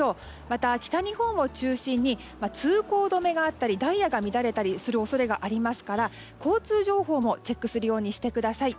また、北日本を中心に通行止めがあったりダイヤが乱れたりする恐れがありますから交通情報もチェックするようにしてください。